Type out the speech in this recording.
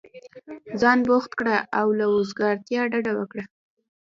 ځان بوخت كړه او له وزګارتیا ډډه وكره!